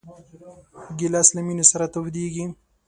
ګیلاس له مېنې سره تودېږي.